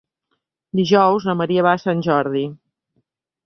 Dijous na Maria va a Sant Jordi.